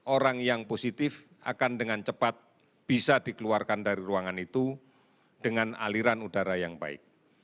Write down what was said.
orang yang positif akan dengan cepat bisa dikeluarkan dari ruangan itu dengan aliran udara yang baik